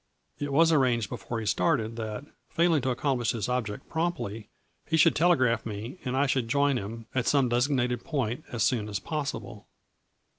It was arranged before he started, that, failing to accomplish his object promptly, he should telegraph me, and I should join him at some designated point as soon as possible.